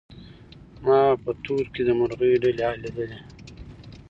ما په تور کي د مرغۍ ډلي لیدلې